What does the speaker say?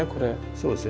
そうですね。